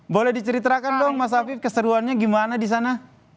boleh diceritakan dong mas hafid keseruannya gimana di sana